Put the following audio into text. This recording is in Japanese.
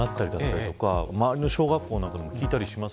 周りの小学校でも聞いたりします